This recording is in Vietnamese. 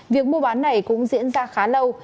việc mua bán này cũng diễn ra khá lâu